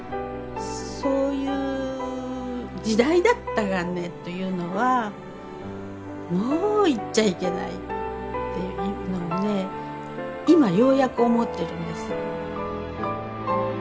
「そういう時代だったがね」というのはもう言っちゃいけないっていうので今ようやく思ってるんですよ。